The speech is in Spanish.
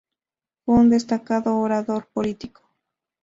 Fue un destacado orador político.